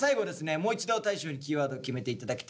もう一度大昇にキーワードを決めて頂きたいと思います。